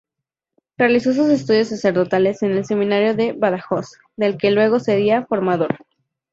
Realizó sus estudios sacerdotales en el seminario de Badajoz del que luego sería formador.